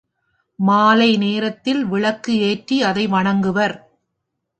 மாலை நேரத்தில் விளக்கு ஏற்றி அதை வணங்குவர்.